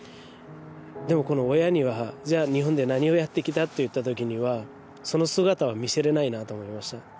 でも親には「じゃあ日本で何をやってきた」っていったときにはその姿は見せれないなと思いました